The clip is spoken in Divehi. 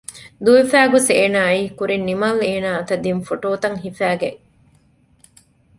ދުވެފައި ގޮސް އޭނާ އައީ ކުރިން ނިމާލް އޭނާ އަތަށް ދިން ފޮޓޯތައް ހިފައިގެން